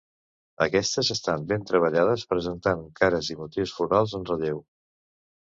Aquestes estan ben treballades, presentant cares i motius florals en relleu.